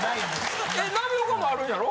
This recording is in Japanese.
波岡もあるんやろ？